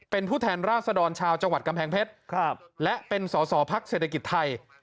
เป็นผู้แทนราชดรชาวจังหวัดกำแพงเพชรและเป็นสอสอพักเศรษฐกิจไทย